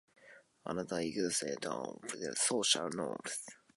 Another aspect of behavioral economics is the concept of social norms.